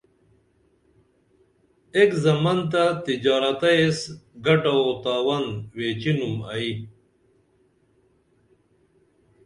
ایک زمن تہ تجارتہ ایس گٹہ او تاون ویچینُم ائی